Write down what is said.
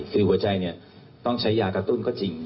คือหัวใจต้องใช้ยากระตุ้นก็จริง